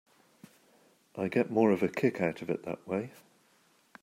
I get more of a kick out of it that way.